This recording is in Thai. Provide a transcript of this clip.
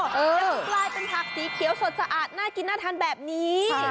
จนกลายเป็นผักสีเขียวสดสะอาดน่ากินน่าทานแบบนี้